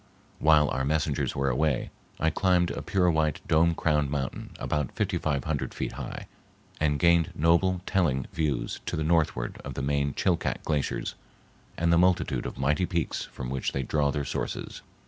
While our messengers were away, I climbed a pure white, dome crowned mountain about fifty five hundred feet high and gained noble telling views to the northward of the main Chilcat glaciers and the multitude of mighty peaks from which they draw their sources.